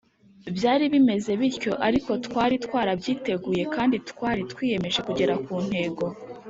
Byari bimeze bityo ariko twari twarabyiteguye kandi twari twiyemeje kugera ku ntego